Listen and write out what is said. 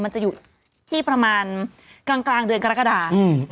มันจะอยู่ที่ประมาณกลางเดือนกรกฎา